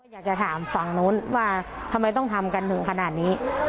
อยากจะถามฝั่งนู้นว่าทำไมต้องทำกันถึงขนาดนี้